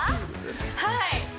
はい！